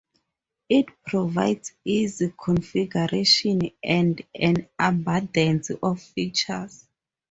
It provides easy configuration and an abundance of features.